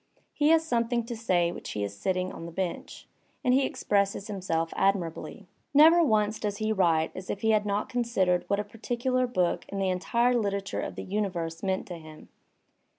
He has something to say while he is sitting on the bench, and he expresses himself admirably. Never once does he write as if he had not considered what a particular book and the entire literature of the universe meant to him.